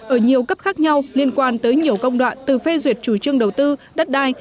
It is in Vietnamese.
ở nhiều cấp khác nhau liên quan tới nhiều công đoạn từ phê duyệt chủ trương đầu tư đất đai